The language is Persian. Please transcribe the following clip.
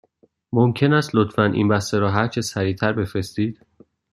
ممکن است لطفاً این بسته را هرچه سریع تر بفرستید؟